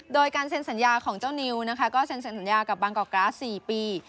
โดยการเซ็นสัญญาของเจ้านิวนะคะก็เซ็นเซ็นสัญญากับบางกอกกราศ๔ปี